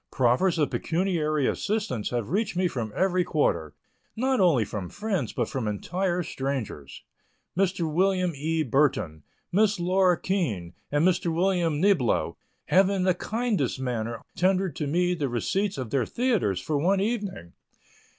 Proffers of pecuniary assistance have reached me from every quarter, not only from friends, but from entire strangers. Mr. Wm. E. Burton, Miss Laura Keene and Mr. Wm. Niblo have in the kindest manner tendered me the receipts of their theatres for one evening.